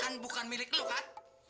kan bukan milik lo kan